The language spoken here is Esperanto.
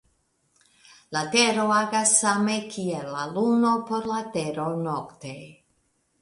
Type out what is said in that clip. La Tero agas same kiel la Luno por la Tero nokte.